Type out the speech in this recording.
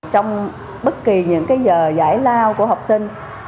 trong bất kỳ những giờ giải lao của học sinh